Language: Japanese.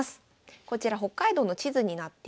こちら北海道の地図になっています。